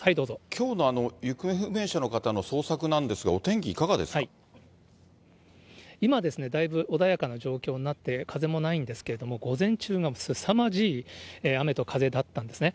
きょうの行方不明者の方の捜索なんですが、お天気、いかがで今、だいぶ穏やかな状況になって、風もないんですけども、午前中はすさまじい雨と風だったんですね。